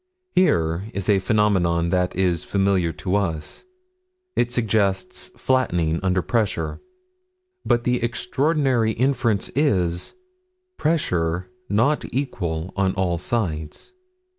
Here is a phenomenon that is familiar to us: it suggests flattening, under pressure. But the extraordinary inference is pressure not equal on all sides.